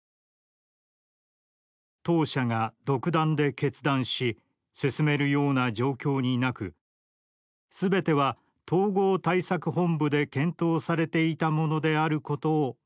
「当社が独断で決断し進めるような状況になく全ては統合対策本部で検討されていたものであることをご理解願います」。